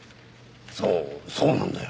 そうそうなんだよ。